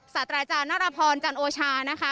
ศาสตราจารย์นรพรจันโอชานะคะ